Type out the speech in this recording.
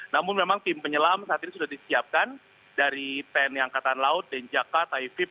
namun memang tim penyelam saat ini sudah disiapkan dari tni angkatan laut denjaka taifib